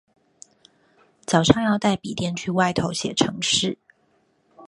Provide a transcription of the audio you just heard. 早上要帶筆電去外頭寫程式